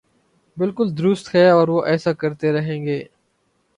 بالکل درست ہے اور وہ ایسا کرتے رہیں گے۔